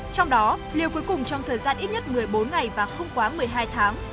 trong đó liều cuối cùng trong thời gian ít nhất một mươi bốn ngày và không quá một mươi hai tháng